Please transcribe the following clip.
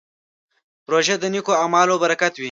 روژه د نېکو اعمالو برکت دی.